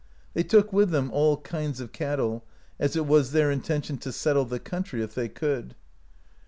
They took with them all kinds of cattle, as it was their intention to settle the country, if they could.